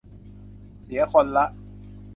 เสียคนละ